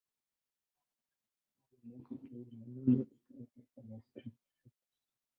Hivyo mwaka uleule Armenia ikawa taifa la Kikristo.